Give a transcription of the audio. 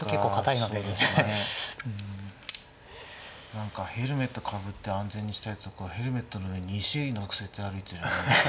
何かヘルメットかぶって安全にしたいとこヘルメットの上に石のせて歩いてるみたい。